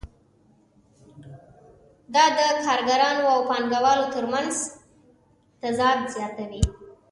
دا د کارګرانو او پانګوالو ترمنځ تضاد زیاتوي